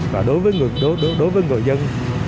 và đối với người dân